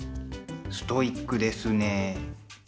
ストイックですね。